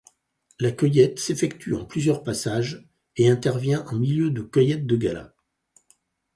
La cueillette s'effectue en plusieurs passages et intervient en milieu de cueillette de 'Gala'.